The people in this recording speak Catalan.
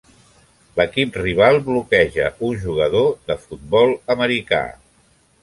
L'equip rival bloqueja un jugador de futbol americà.